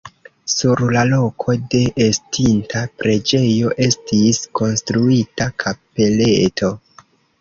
Sur la loko de estinta preĝejo estis konstruita kapeleto.